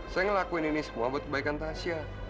saya ngelakuin ini semua buat kebaikan tasya